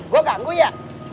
gue ganggu ya